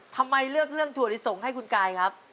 ทำไมเลือกเรื่องถั่วลิสงให้คุณกายครับ